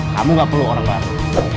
kamu gak perlu orang baru